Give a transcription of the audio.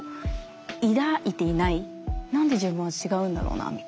何で自分は違うんだろうなみたいな。